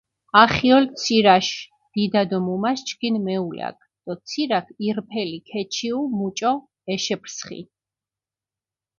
ახიოლ ცირაშ დიდა დო მუმას ჩქინ მეულაქ დო ცირაქ ირფელი ქეჩიუ მუჭო ეშეფრსხინ.